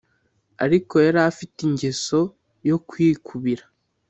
ariko yarafite ingeso yo kwikubira